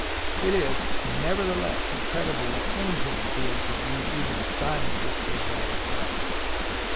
It is, nevertheless, incredible that any human being could read even a sign of this dead writing correctly.